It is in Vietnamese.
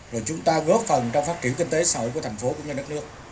rồi chúng ta góp phần trong phát triển kinh tế sởi của thành phố và nước nước